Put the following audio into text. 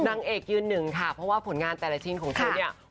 นางเอกยืนหนึ่งค่ะเพราะว่าผลงานแต่ละชิ้นของเธอเนี่ย